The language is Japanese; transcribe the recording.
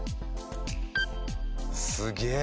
すげえ。